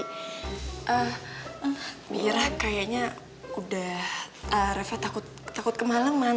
eh bira kayaknya udah reva takut kemaleng man